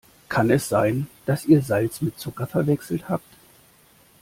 Kann es sein, dass ihr Salz mit Zucker verwechselt habt?